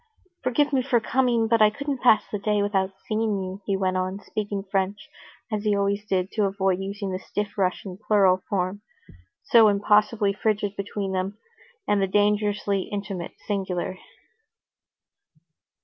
"Forgive me for coming, but I couldn't pass the day without seeing you," he went on, speaking French, as he always did to avoid using the stiff Russian plural form, so impossibly frigid between them, and the dangerously intimate singular.